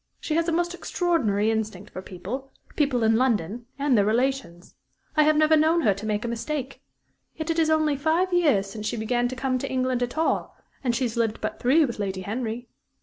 She has a most extraordinary instinct for people people in London and their relations. I have never known her make a mistake. Yet it is only five years since she began to come to England at all; and she has lived but three with Lady Henry.